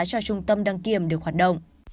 cho trung tâm đăng kiểm được hoạt động